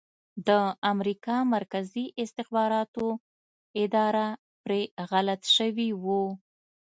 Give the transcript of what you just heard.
د امریکا مرکزي استخباراتو اداره پرې غلط شوي وو